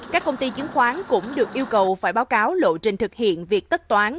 các công ty chứng khoán cũng được yêu cầu phải báo cáo lộ trình thực hiện việc tất toán